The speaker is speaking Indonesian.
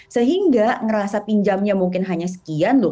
sehingga merasa pinjamnya mungkin hanya sekian loh